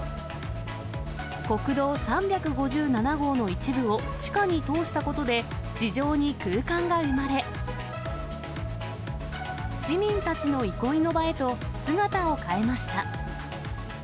国道３５７号の一部を地下に通したことで、地上に空間が生まれ、市民たちの憩いの場へと、姿を変えました。